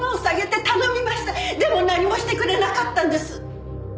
でも何もしてくれなかったんです。